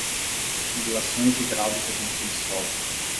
Tubulações hidráulicas no subsolo